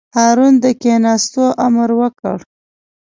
هارون د کېناستو امر وکړ.